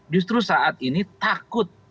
justru saat ini takut